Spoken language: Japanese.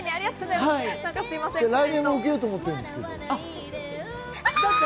来年も受けようと思ってるん